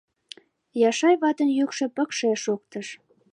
— Яшай ватын йӱкшӧ пыкше шоктыш.